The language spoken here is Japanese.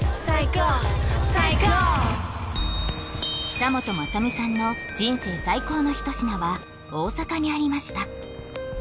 久本雅美さんの人生最高の一品は大阪にありました